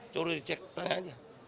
curuh di cek tanya aja